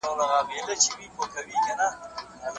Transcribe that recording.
موږ د بېلا بېلو خلکو چلند ګورو.